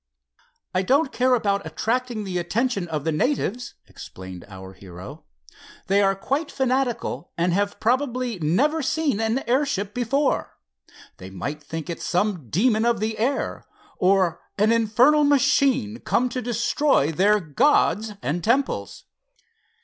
"I don't care about attracting the attention of the natives," explained our hero. "They are quite fanatical, and have probably never seen an airship before. They might think it some demon of the air, or an infernal machine come to destroy their gods and temples."